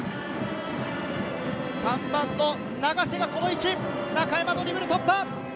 ３番の長瀬がこの位置、中山のドリブル突破。